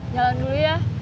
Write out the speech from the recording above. jalan dulu ya